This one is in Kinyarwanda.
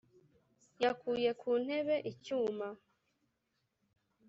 yakuye ku ntebe-inyuma,